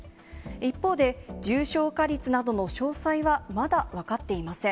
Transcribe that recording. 一方で、重症化率などの詳細はまだ分かっていません。